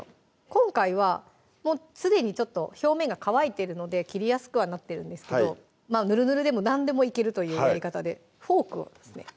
今回はもうすでにちょっと表面が乾いてるので切りやすくはなってるんですけどまぁぬるぬるでも何でもいけるというやり方でフォークをですね